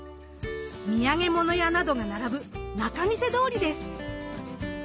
土産物屋などが並ぶ仲見世通りです。